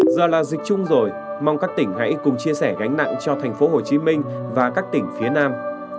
giờ là dịch chung rồi mong các tỉnh hãy cùng chia sẻ gánh nặng cho thành phố hồ chí minh và các tỉnh phía nam